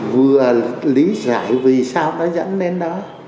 vừa lý giải vì sao nó dẫn đến đó